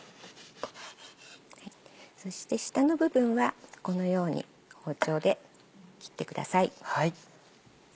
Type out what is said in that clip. そして下の部分はこのように包丁で切ってください。